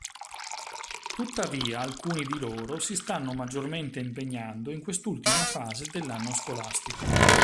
Tuttavia, alcuni di loro si stanno maggiormente impegnando in quest'ultima fase dell'anno scolastico.